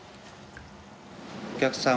お客さん